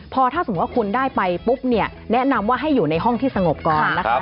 พอถ้าสมมุติว่าคุณได้ไปปุ๊บเนี่ยแนะนำว่าให้อยู่ในห้องที่สงบก่อนนะครับ